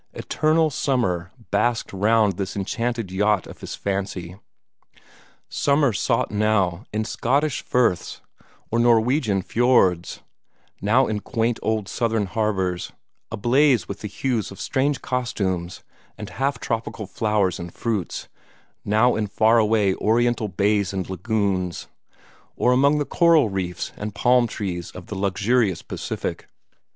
Eternal summer basked round this enchanted yacht of his fancy summer sought now in Scottish firths or Norwegian fiords, now in quaint old Southern harbors, ablaze with the hues of strange costumes and half tropical flowers and fruits, now in far away Oriental bays and lagoons, or among the coral reefs and palm trees of the luxurious Pacific.